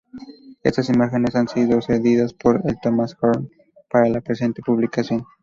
Estas imágenes han sido cedidos por Thomas Hearne para la presente publicación.